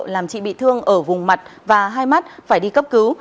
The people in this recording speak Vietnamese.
làm chị bị thương ở vùng mặt và hai mắt phải đi cấp cứu